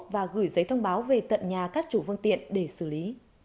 và gửi giấy thông báo về tận nhà các chủ phương tiện để xử lý